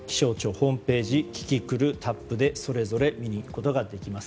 ホームページキキクルタップでそれぞれ見に行くことができます。